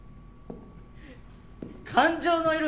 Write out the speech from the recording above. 感情の色？